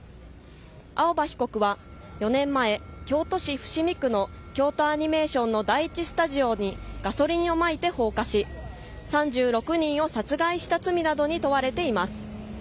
青葉被告は４年前京都市伏見区の京都アニメーションの第１スタジオにガソリンをまいて放火し３６人を殺害した罪などに問われています。